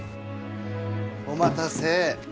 お待たせ。